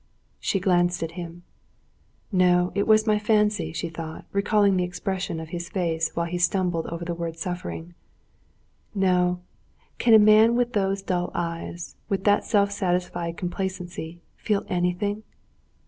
She glanced at him. "No, it was my fancy," she thought, recalling the expression of his face when he stumbled over the word "suffering." "No; can a man with those dull eyes, with that self satisfied complacency, feel anything?"